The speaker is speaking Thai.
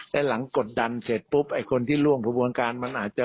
แต่หลังกดดันเสร็จปุ๊บไอ้คนที่ร่วมกระบวนการมันอาจจะ